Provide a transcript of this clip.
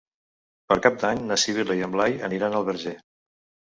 Per Cap d'Any na Sibil·la i en Blai aniran al Verger.